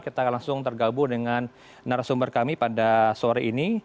kita langsung tergabung dengan narasumber kami pada sore ini